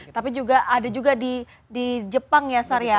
tapi ada juga di jepang ya sarya